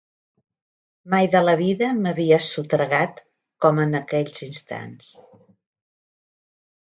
Mai de la vida m'havia sotregat com en aquells instants.